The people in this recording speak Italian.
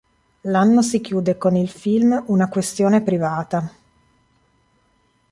L'anno si chiude con il film "Una questione privata".